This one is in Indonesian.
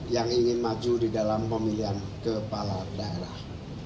yang ingin maju di dalam pemilihan kepala daerah